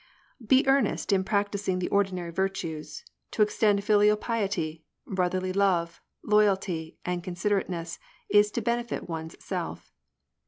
Be earnest in practising the ordinary virtues : To extend filial piety, brotherly love, loyalty, and considerateness, is to benefit one's self.